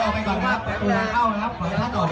เลยเป็นยังไงบ้างฮะ